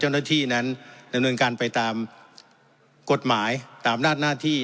เจ้าหน้าที่นั้นดำเนินการไปตามกฎหมายตามอำนาจหน้าที่